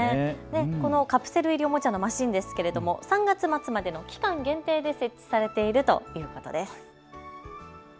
このカプセル入りのおもちゃのマシーンですけれど３月末までの期間限定で設置されているということです。